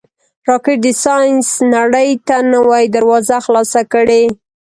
راکټ د ساینس نړۍ ته نوې دروازه خلاصه کړې